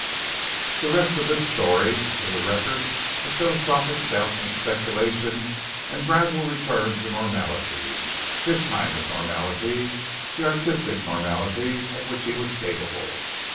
The rest of this story is a record of philosophic doubt and speculation and a gradual return to normality, his kind of normality the artistic normality of which he was capable.